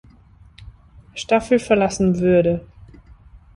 Staffel verlassen würde.